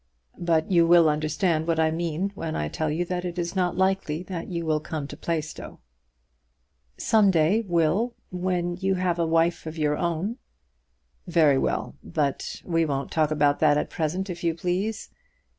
But you will understand what I mean when I tell you that it is not likely that you will come to Plaistow." "Some day, Will, when you have a wife of your own " "Very well; but we won't talk about that at present, if you please.